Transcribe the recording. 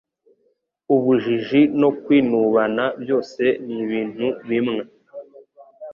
Ubujiji no kwinubana byose ni ibintu bimwe